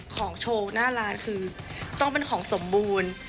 ของโชว์หน้าร้านคือต้องเป็นของสมบูรณ์